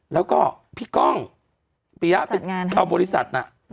แล้วก็พี่ก้องปีฮะข้าวบริษัทน่ะ